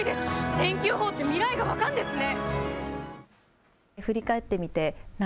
天気予報って、未来が分かるんですね。